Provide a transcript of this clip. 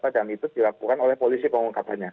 dan itu dilakukan oleh polisi pengungkapannya